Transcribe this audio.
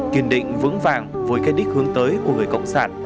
kiên định vững vàng với kết đích hướng tới của người cộng sản